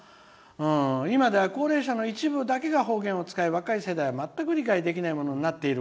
「今では高齢者の一部だけが方言を使い若い世代は全く理解できないものになっている。